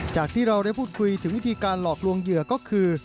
จากที่เราได้พูดคุยถึงวิธีการหลอกลวงเหยื่อก็คือ